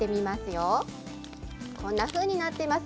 こんなふうになってます。